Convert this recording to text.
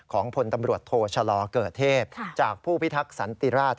ของพลตำรวจโทชะลอเกิดเทพจากผู้พิทักษ์สันติราช